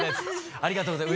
ありがとうございます。